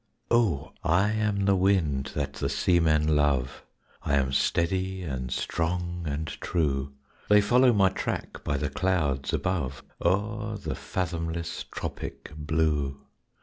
Oh, I am the wind that the seamen love I am steady, and strong, and true; They follow my track by the clouds above O'er the fathomless tropic blue.